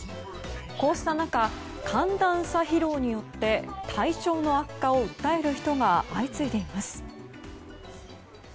こうした中寒暖差疲労によって体調の悪化を訴える人が相次いでいます。